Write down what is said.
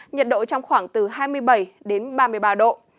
nhiệt độ trong khoảng từ hai mươi bảy đến ba mươi ba độ